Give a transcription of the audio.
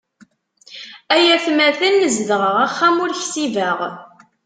Ay atmaten zedɣeɣ axxam ur ksibeɣ.